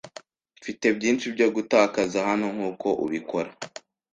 Mfite byinshi byo gutakaza hano nkuko ubikora.